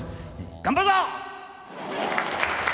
頑張るぞ！